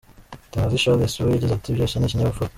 Mutabazi Charles we yagize ati “Byose ni ikinyabupfura.